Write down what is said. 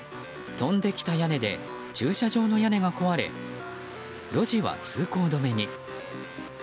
飛んできた屋根で駐車場の屋根が壊れ路地は通行止めに。